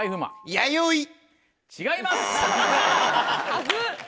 恥ずっ。